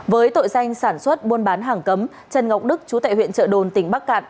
với tội danh sản xuất buôn bán hàng cấm trần ngọc đức chú tại huyện trợ đồn tỉnh bắc cạn